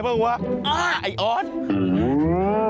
หรือใครกำลังร้อนเงิน